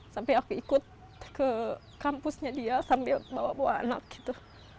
sampai aku ikut ke kampusnya dia sambil bawa bawa anak gitu